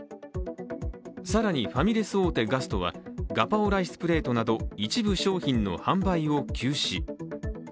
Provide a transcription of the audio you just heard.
更にファミレス大手・ガストはガパオライスプレートなど一部商品の販売を休止。